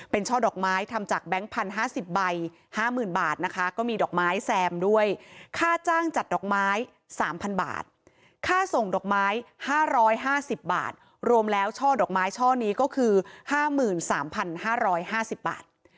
เป็นช่อดอกไม้ทำจากแบงค์พันธุ์๕๐ใบ๕๐๐๐บาทนะคะก็มีดอกไม้แซมด้วยค่าจ้างจัดดอกไม้๓๐๐บาทค่าส่งดอกไม้๕๕๐บาทรวมแล้วช่อดอกไม้ช่อนี้ก็คือ๕๓๕๕๐บาท